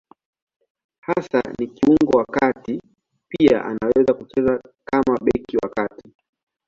Hasa ni kiungo wa kati; pia anaweza kucheza kama beki wa kati.